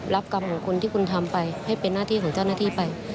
รับกรรมของคนที่คุณทำไปให้เป็นหน้าที่ของเจ้าหน้าที่ไป